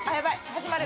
始まる。